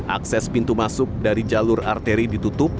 akses pintu masuk dari jalur arteri ditutup